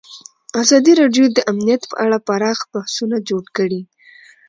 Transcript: ازادي راډیو د امنیت په اړه پراخ بحثونه جوړ کړي.